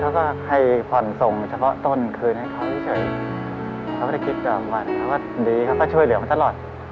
เขาก็ให้ผ่อนส่งเฉพาะต้นคืนให้เขาเพียงเฉยเขาก็ไม่ได้คิดว่าว่าแล้วก็ดีครับเขาก็ช่วยเรียกมาตลอด